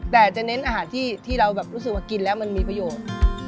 แต่จะเน้นอาหารที่เรารู้สึกว่ากินแล้วมันมีประโยชน์